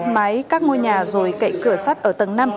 máy cắt ngôi nhà rồi cậy cửa sắt ở tầng năm